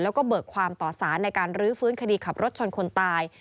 แล้วก็เบิกความต่อสารในการรื้อฟื้นคดีขับรถชนคนตาย